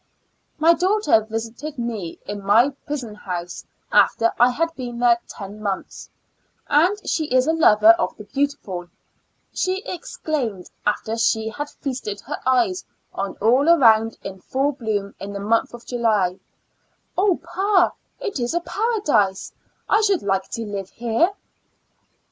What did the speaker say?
My daughter visited me in my prison house after I had been there ten months, and she is a lover of the beautiful — she exclaimed, after she had feasted her eyes on all around in full bloom in the month of July, " O 'pa^ it is a ^Kiradise; I should like to live here.